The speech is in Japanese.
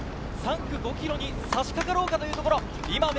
３区５ｋｍにさしかかろうかというところ。